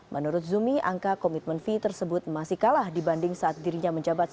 menurut zumi angka komitmen fee tersebut masih kalah dibanding saat dirinya menjabat sebagai